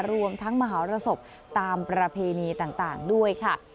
รวมทั้งมหารสบตามประเพณีต่างด้วยค่ะ